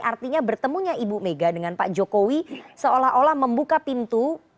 artinya bertemunya ibu mega dengan pak jokowi seolah olah membuka pintu